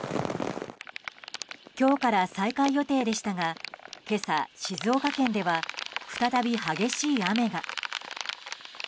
今日から再開予定でしたが今朝、静岡県では再び激しい雨が。